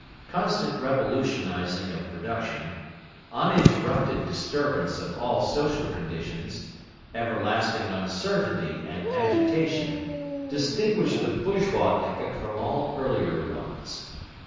Constant revolutionising of production, uninterrupted disturbance of all social conditions, everlasting uncertainty and agitation distinguish the bourgeois epoch from all earlier ones.